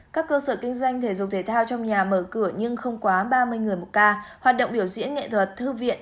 các cơ sở kinh doanh thể dục thể thao trong nhà mở cửa nhưng không quá ba mươi người một ca hoạt động biểu diễn nghệ thuật thư viện